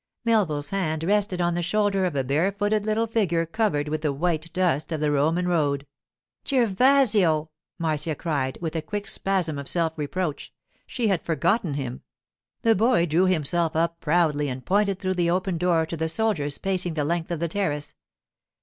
Melville's hand rested on the shoulder of a barefooted little figure covered with the white dust of the Roman road. 'Gervasio!' Marcia cried, with a quick spasm of self reproach. She had forgotten him. The boy drew himself up proudly and pointed through the open door to the soldiers pacing the length of the terrace.